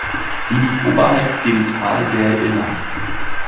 Sie liegt oberhalb dem Tal der Iller.